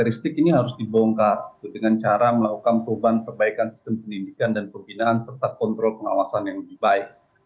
logistik ini harus dibongkar dengan cara melakukan perubahan perbaikan sistem pendidikan dan pembinaan serta kontrol pengawasan yang lebih baik